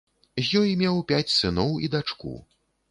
З ёй меў пяць сыноў і дачку.